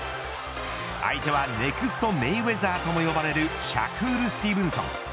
相手はネクスト・メイウェザーとも呼ばれるシャクール・スティーブンソン。